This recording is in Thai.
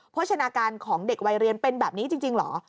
โชชนาการของเด็กวัยเรียนเป็นแบบนี้จริงเหรอ